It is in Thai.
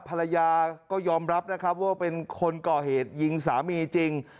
ภรรยาก็ยอมรับนะครับว่าเป็นคนก่อเหตุยิงสามีจริง